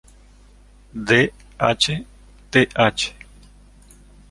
D. H. Th.